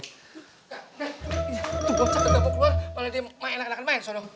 neng tuh bocah bocah mau keluar malah dia main main main songong